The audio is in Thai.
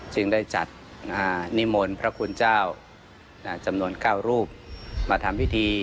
จึงได้จัดนิมนต์พระคุณเจ้าจำนวน๙รูปมาทำพิธี